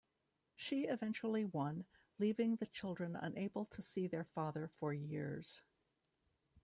She eventually won, leaving the children unable to see their father for years.